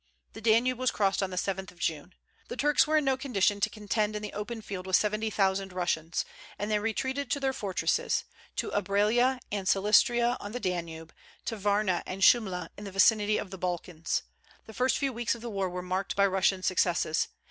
The Danube was crossed on the 7th of June. The Turks were in no condition to contend in the open field with seventy thousand Russians, and they retreated to their fortresses, to Ibraila and Silistria on the Danube, to Varna and Shumla in the vicinity of the Balkans. The first few weeks of the war were marked by Russian successes.